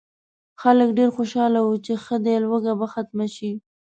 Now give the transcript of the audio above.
خلک ډېر خوشاله وو چې ښه دی لوږه به ختمه شي.